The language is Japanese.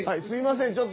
すみません。